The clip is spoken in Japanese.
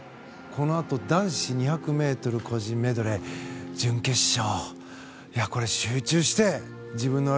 このあと、男子２００ｍ個人メドレー準決勝。